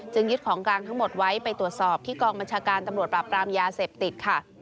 ยึดของกลางทั้งหมดไว้ไปตรวจสอบที่กองบัญชาการตำรวจปราบปรามยาเสพติดค่ะ